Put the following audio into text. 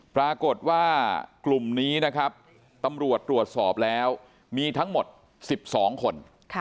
ปรากฏว่ากลุ่มนี้นะครับตำรวจตรวจสอบแล้วมีทั้งหมด๑๒คน